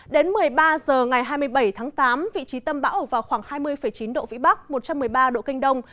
đến một mươi ba h ngày hai mươi bảy tháng tám vị trí tâm bão ở vào khoảng hai mươi chín độ vĩ bắc một trăm một mươi ba độ kinh đông